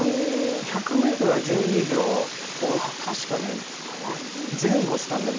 １００メートルは１２秒を確かね前後したんだよな。